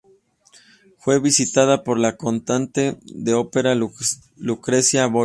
Fue visitada por la cantante de ópera Lucrecia Bori.